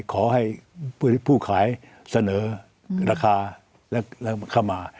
ขอให้ผู้ขายเสนอราคาและเข้ามา